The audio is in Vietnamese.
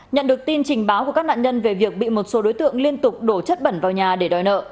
nhận được tin trình báo của các nạn nhân về việc bị một số đối tượng liên tục đổ chất bẩn vào nhà để đòi nợ